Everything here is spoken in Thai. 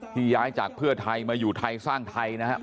ย้ายจากเพื่อไทยมาอยู่ไทยสร้างไทยนะครับ